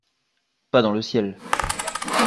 Pas dans le ciel.